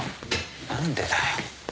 何でだよ。